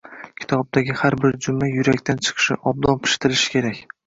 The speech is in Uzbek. Kitobdagi har bir jumla yurakdan chiqishi, obdan pishitilishi kerak.